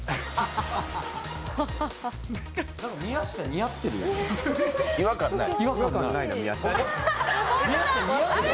宮下、似合ってるよ、違和感ない。